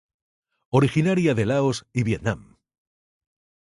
Originaria de Laos y Vietnam.